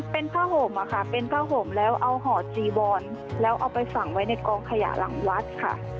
เป็นผ้าห่มอะค่ะเป็นผ้าห่มแล้วเอาห่อจีวอนแล้วเอาไปฝังไว้ในกองขยะหลังวัดค่ะ